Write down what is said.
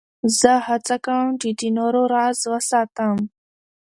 زه هڅه کوم، چي د نورو راز وساتم.